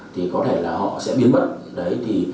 thì có thể là họ sẽ biến mất